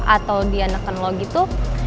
atau dianeken lo gitu